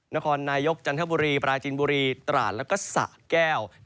นครนายยกจังหบุรีปราจินบุรีตราชและสะแก้ว